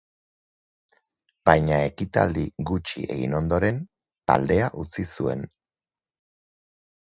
Baina ekitaldi gutxi egin ondoren, taldea utzi zuen.